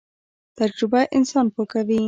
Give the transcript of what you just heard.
تجربه انسان پوه کوي